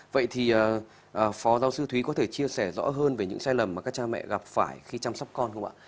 vậy thì phó giáo sư thúy có thể chia sẻ rõ hơn về những sai lầm mà các cha mẹ gặp phải khi chăm sóc con không ạ